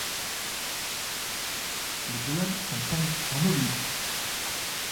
Les colonnes sont peintes en oblique.